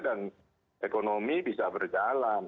dan ekonomi bisa berjalan